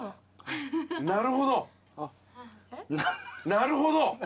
なるほど。